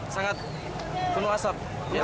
sangat penuh asap